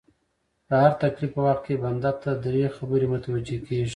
د هر تکليف په وخت کي بنده ته دری خبري متوجې کيږي